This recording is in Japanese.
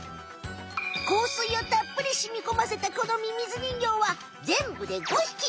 香水をたっぷりしみこませたこのミミズ人形は全部で５匹。